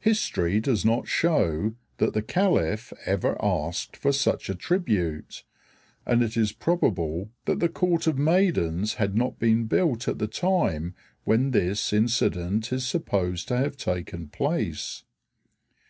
History does not show that the calif ever asked for such a tribute, and it is probable that the Court of Maidens had not been built at the time when this incident is supposed to have taken place.